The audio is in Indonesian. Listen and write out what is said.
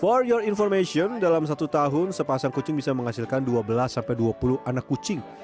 for your information dalam satu tahun sepasang kucing bisa menghasilkan dua belas dua puluh anak kucing